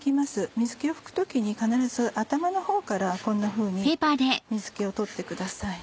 水気を拭く時に必ず頭のほうからこんなふうに水気を取ってください。